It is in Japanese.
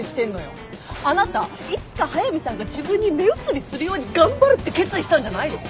あなたいつか速見さんが自分に目移りするように頑張るって決意したんじゃないの？